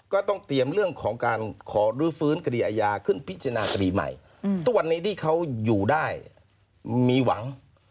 ก็ต้องเตรียมเรื่องของการขอรื้อฟื้นคดีอาญาขึ้นพิจารณาคดีใหม่ทุกวันนี้ที่เขาอยู่ได้มีหวัง